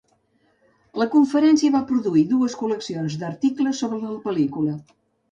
La conferència va produir dues col·leccions d'articles sobre la pel·lícula.